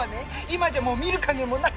今じゃもう見る影もなし。